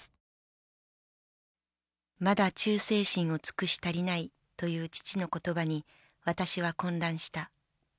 「まだ忠誠心を尽くし足りない」という父の言葉に私は混乱した。